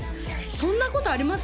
そんなことあります？